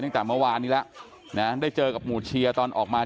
ตั้งแต่เมื่อวานนี้แล้วนะได้เจอกับหมู่เชียร์ตอนออกมา